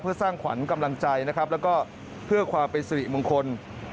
เพื่อสร้างขวัญกำลังใจนะครับแล้วก็เพื่อความเป็นสิริมงคล